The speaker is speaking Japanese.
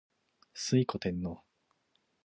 推古天皇